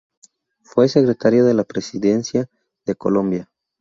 Fue Secretario de La Presidencia de Colombia.